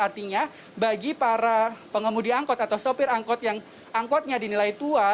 artinya bagi para pengemudi angkot atau sopir angkot yang angkotnya dinilai tua